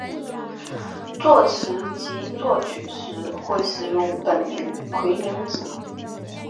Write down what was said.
作词及作曲时会使用本名巽明子。